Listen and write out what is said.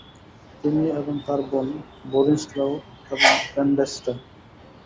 তিনি এবং তার বোন বরিন্সলাও ক্ল্যান্ডেসটাইন